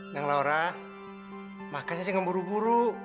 neng laura makan aja gak buru buru